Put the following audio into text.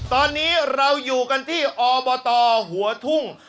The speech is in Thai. ตอนนี้เราอยู่กันที่อบตหัวทุ่ง